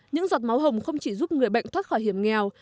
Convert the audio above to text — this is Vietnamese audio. những giọt máu hồng không chỉ giúp người bệnh thoát khỏi hiểm nghèo